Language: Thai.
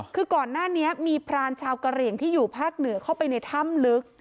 คือก่อนหน้านี้มีพรานชาวกะเหลี่ยงที่อยู่ภาคเหนือเข้าไปในถ้ำลึก